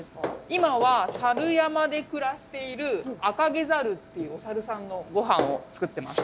今はサル山で暮らしているアカゲザルっていうおサルさんのごはんを作ってます。